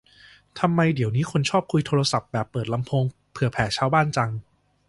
ทำไมเดี๋ยวนี้คนชอบคุยโทรศัพท์แบบเปิดลำโพงเผื่อแผ่ชาวบ้านจัง